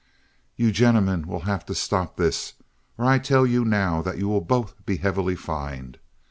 "You gentlemen will have to stop this, or I tell you now that you will both be heavily fined.